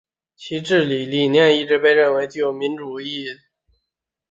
其政治理念一直被认为具有民族主义及民粹主义的倾向。